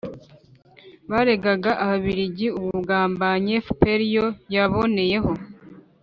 baregaga ababiligi ubugambanyi, fpr yo yaboneyeho